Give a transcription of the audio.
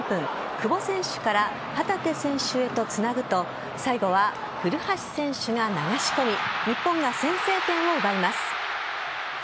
久保選手から旗手選手へとつなぐと最後は古橋選手が流し込み日本が先制点を奪います。